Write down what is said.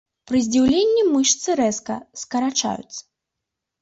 Пры здзіўленні мышцы рэзка скарачаюцца.